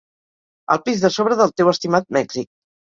Al pis de sobre del teu estimat Mèxic.